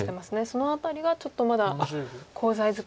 その辺りがちょっとまだコウ材作りにも。